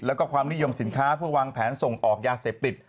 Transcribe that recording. แล้วก็ความนิยมสินค้าเพื่อวางแผนส่งออกยาเสพติด